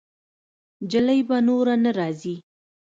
جلۍ به نوره نه راځي.